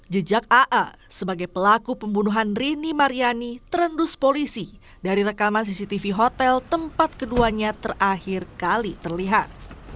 jejak aa sebagai pelaku pembunuhan rini maryani terendus polisi dari rekaman cctv hotel tempat keduanya terakhir kali terlihat